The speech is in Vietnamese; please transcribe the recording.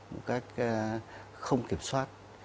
một cách không kiểm soát